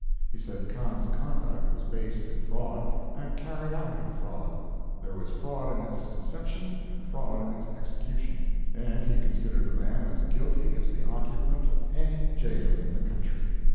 He said Kahn's conduct was based in fraud, and carried out in fraud; there was fraud in its conception and fraud in its execution; and he considered the man as guilty as the occupant of any jail in the country.